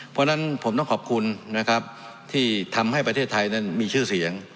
เพราะฉะนั้นผมต้องขอบคุณนะครับที่ทำให้ประเทศไทยนั้นมีชื่อเสียง